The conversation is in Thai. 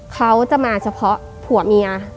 เขาจะมาเฉพาะผัวเมีย